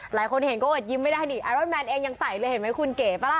หลายคนเห็นก็อดยิ้มไม่ได้นี่ไอรอนแมนเองยังใส่เลยเห็นไหมคุณเก๋ป่ะล่ะ